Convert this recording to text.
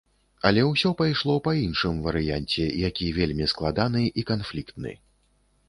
Але ўсё пайшло па іншым варыянце, які вельмі складаны і канфліктны.